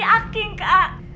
mereka makan nasi aking kak